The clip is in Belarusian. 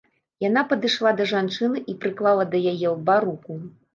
Яна падышла да жанчыны і прыклала да яе лба руку.